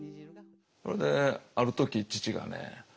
それである時父がね